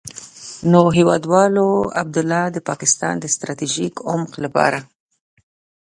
نو هېوادوالو، عبدالله د پاکستان د ستراتيژيک عمق لپاره.